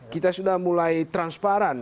kita sudah mulai transparan